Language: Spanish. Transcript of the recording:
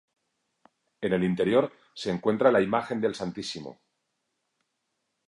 En el interior se encuentra la imagen del Stmo.